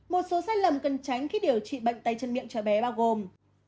một số sai lầm cần tránh khi điều trị bệnh tây trần miệng cho bé bao gồm